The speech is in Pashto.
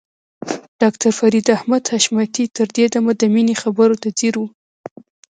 ډاکټر فريد احمد حشمتي تر دې دمه د مينې خبرو ته ځير و.